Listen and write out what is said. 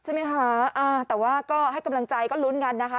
ใช่ไหมคะอ่าแต่ว่าก็ให้กำลังใจก็ลุ้นกันนะคะ